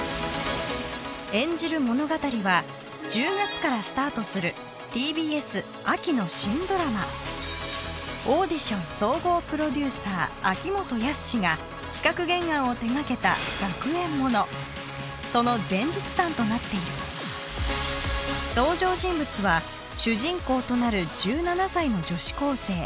演じる物語は１０月からスタートするＴＢＳ秋の新ドラマオーディション総合プロデューサー秋元康が企画・原案を手がけた学園ものその前日譚となっている登場人物は主人公となる１７歳の女子高生